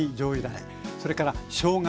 それからしょうが